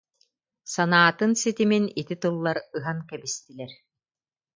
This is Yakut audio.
санаатын ситимин ити тыллар ыһан кэбистилэр